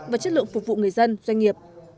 và chất lượng phục vụ người dân doanh nghiệp